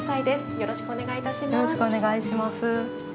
よろしくお願いします。